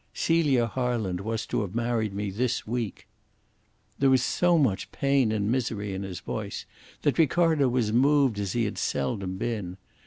Celia Harland was to have married me this week." There was so much pain and misery in his voice that Ricardo was moved as he had seldom been.